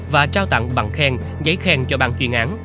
và trao tặng bằng khen giấy khen cho bang chuyên án